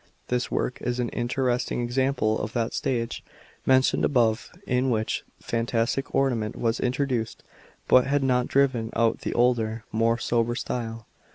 This work is an inte resting example of that stage mentioned above in which fantastic ornament was introduced, but had not driven out the older, more sober style.